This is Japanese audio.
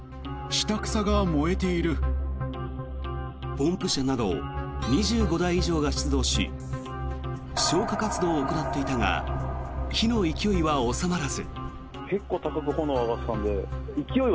ポンプ車など２５台以上が出動し消火活動を行っていたが火の勢いは収まらず。